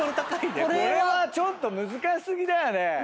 これちょっと難し過ぎだよね